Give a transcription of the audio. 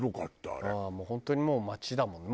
ああ本当にもう街だもんね。